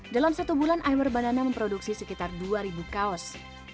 dalam satu bulan iwer banana memproduksi sekitar dua kaos